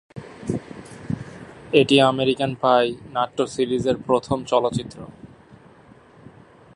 এটি American pie নাট্য সিরিজের প্রথম চলচ্চিত্র।